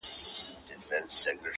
• زه وېرېدم له اشارو د ګاونډیانو څخه -